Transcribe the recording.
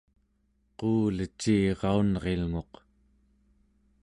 quuleciraunrilnguq